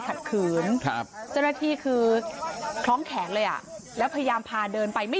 คุณผู้ชมรักกรมโมอายุห้าสิบเก้าปี